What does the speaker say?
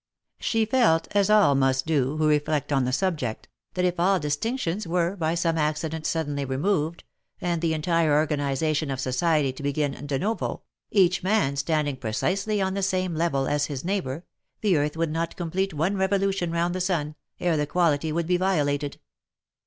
She felt, as all must do, who reflect on the subject, that if all distinctions were by some accident suddenly removed, and the entire organization of society to begin de novo, each man standing precisely on the same level as his neighbour, the earth would not complete one revolution round the sun, ere the equality would be violated.